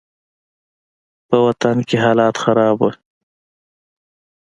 په وطن کښې حالات خراب وو.